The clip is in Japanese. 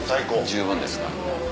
十分ですか。